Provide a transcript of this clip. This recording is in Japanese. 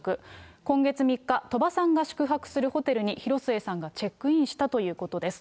今月３日、鳥羽さんが宿泊するホテルに広末さんがチェックインしたということです。